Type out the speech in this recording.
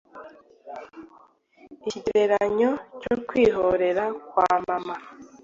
Ikigereranyo cyo Kwihorera kwa Mama